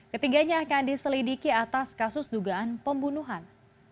ketiganya akan diselidiki atas kasus dugaan pembunuhan